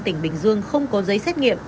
tỉnh bình dương không có giấy xét nghiệm